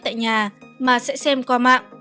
tại nhà mà sẽ xem qua mạng